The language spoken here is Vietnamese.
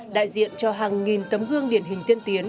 đại diện cho hàng nghìn tấm gương điển hình tiên tiến